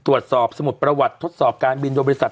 สมุดประวัติทดสอบการบินโดยบริษัท